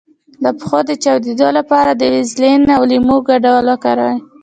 د پښو د چاودیدو لپاره د ویزلین او لیمو ګډول وکاروئ